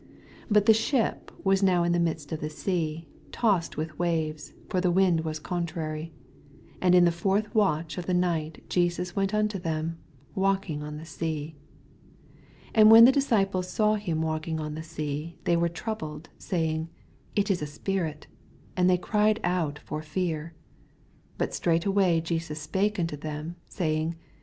24 But the ship was now in the midst of the sea, tossed with waves : for the wind was contrary. 25 And in the fourth watch of the night Jesus went unto them, walking on the sea. 26 And when the disciples saw him walking on the sea, thejr were troub led, saying, It is a spirit ; and they cried out fbr fear. 27 But straightway Jesus spake unto them, saying.